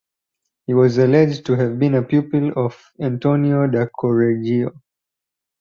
He was alleged to have been a pupil of Antonio da Correggio.